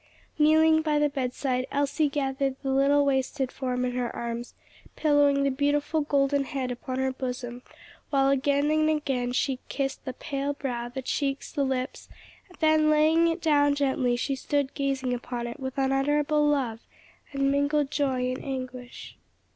Kneeling by the bedside, Elsie gathered the little wasted form in her arms, pillowing the beautiful golden head upon her bosom, while again and again she kissed the pale brow, the cheeks, the lips; then laying it down gently she stood gazing upon it with unutterable love and mingled joy and anguish.